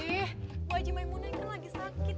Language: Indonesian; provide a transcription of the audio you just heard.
bu haji maimunah ini kan lagi sakit